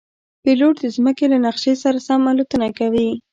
پیلوټ د مځکې له نقشې سره سم الوتنه کوي.